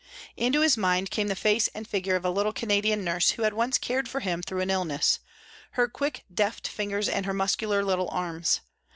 Into his mind came the face and figure of a little Canadian nurse who had once cared for him through an illness her quick, deft fingers and her muscular little arms.